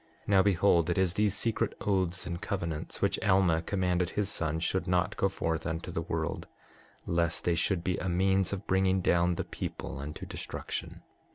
6:25 Now behold, it is these secret oaths and covenants which Alma commanded his son should not go forth unto the world, lest they should be a means of bringing down the people unto destruction.